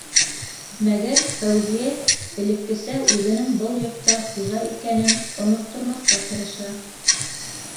Мәгәр Фәүзиә элеккесә үҙенең был йортта хужа икәнен оноттормаҫҡа тырыша.